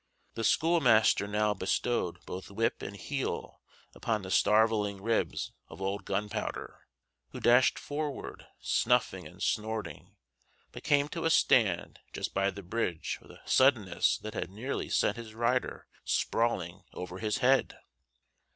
The schoolmaster now bestowed both whip and heel upon the starveling ribs of old Gunpowder, who dashed forward, snuffing and snorting, but came to a stand just by the bridge with a suddenness that had nearly sent his rider sprawling over his head.